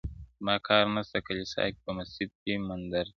زما کار نسته کلیسا کي، په مسجد، مندِر کي~